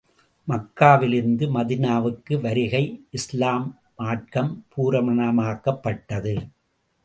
மக்காவிலிருந்து மதீனாவுக்கு வருகை இஸ்லாம் மார்க்கம் பூரணமாக்கப்பட்டது.